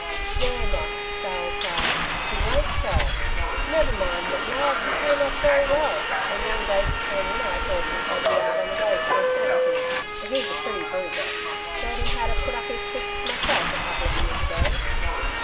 "There now!" Farrel cried. "He won't tell! Never mind, McNab, you came off very well! When Young Davey came in I thought he'd have you out on the road for a certainty, and he's a pretty bruiser. Showed him how to put up his fists myself a couple of years ago."